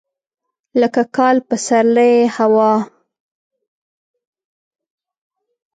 لکه کال، پسرلی، هوا.